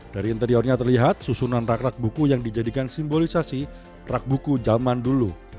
dari interiornya terlihat susunan rak rak buku yang dijadikan simbolisasi rak buku zaman dulu